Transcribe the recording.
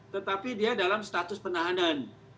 tetapi dia dalam status penahanan